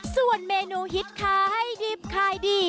ส่วนเมนูฮิตค่ะให้ดิบค่ะดิ